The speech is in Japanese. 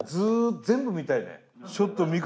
全部見たいね。